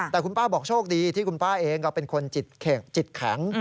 แต่คุณป้าบอกโชคดีที่คุณป้าเองก็เป็นคนจิตแข็ง